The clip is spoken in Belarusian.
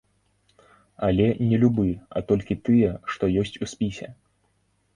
Але не любы, а толькі тыя, што ёсць у спісе.